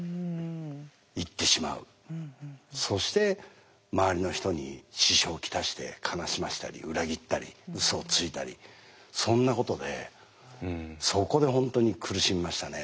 そして周りの人に支障を来して悲しませたり裏切ったりうそをついたりそんなことでそこで本当に苦しみましたね。